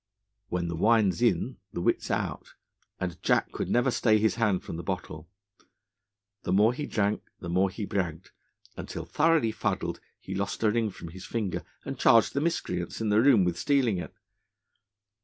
When the wine 's in, the wit 's out, and Jack could never stay his hand from the bottle. The more he drank, the more he bragged, until, thoroughly fuddled, he lost a ring from his finger, and charged the miscreants in the room with stealing it.